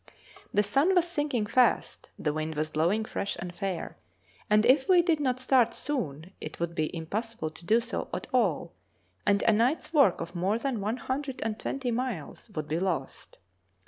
The sun was sinking fast, the wind was blowing fresh and fair, and if we did not start soon it would be impossible to do so at all, and a night's work of more than 120 miles would be lost.